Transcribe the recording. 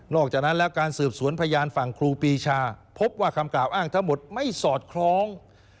อกจากนั้นแล้วการสืบสวนพยานฝั่งครูปีชาพบว่าคำกล่าวอ้างทั้งหมดไม่สอดคล้อง